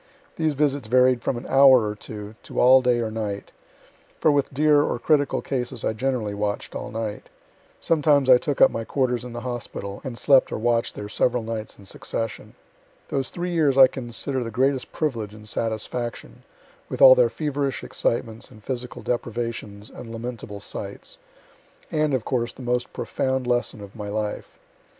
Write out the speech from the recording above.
These visits varied from an hour or two, to all day or night; for with dear or critical cases I generally watch'd all night. Sometimes I took up my quarters in the hospital, and slept or watch'd there several nights in succession. Those three years I consider the greatest privilege and satisfaction, (with all their feverish excitements and physical deprivations and lamentable sights,) and, of course, the most profound lesson of my life.